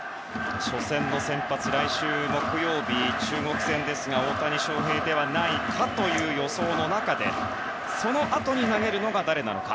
初戦の先発、来週木曜日の中国戦ですが大谷翔平ではないかという予想の中でそのあとに投げるのが誰なのか。